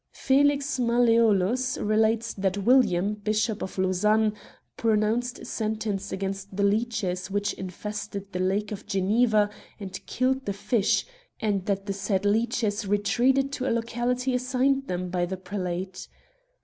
6s Curiosities of Olden Times Felix Malleolus relates that William, Bishop of Lausanne, pronounced sentence against the leeches which infested the Lake of Geneva and killed the fish, and that the said leeches retreated to a locality assigned them by the prelate.